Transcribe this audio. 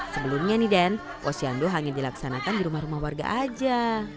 sebelumnya nih den posyandu hanya dilaksanakan di rumah rumah warga saja